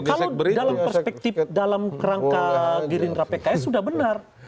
kalau dalam perspektif dalam kerangka gerindra pks sudah benar